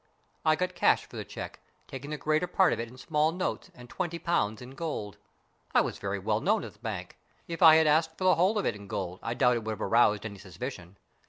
I got cash for the cheque, taking the greater part of it in small notes and twenty pounds in gold. I was very well known at the bank. If I had asked for the whole of it in gold I doubt if it would have aroused any suspicion.